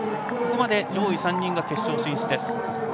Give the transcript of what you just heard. ここまで上位３人が決勝進出です。